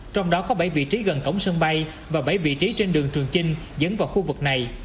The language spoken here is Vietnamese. trong đó có bảy vị trí gần cổng sân bay và bảy vị trí trên đường trường chinh dẫn vào khu vực này